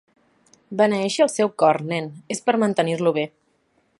Beneeixi el seu cor, nen, és per mantenir-lo bé.